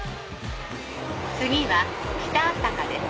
次は北朝霞です。